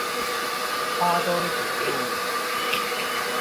花東鐵路